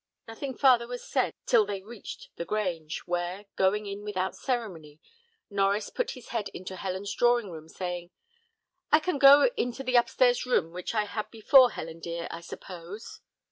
Nothing farther was said till they reached the Grange, where, going in without ceremony, Norries put his head into Helen's drawing room, saying, "I can go into the up stairs room which I had before, Helen dear, I suppose?"